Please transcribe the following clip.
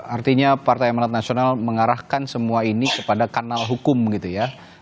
artinya partai amanat nasional mengarahkan semua ini kepada kanal hukum gitu ya